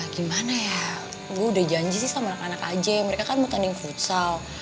gimana ya gue udah janji sih sama anak anak aja mereka kan bukan yang futsal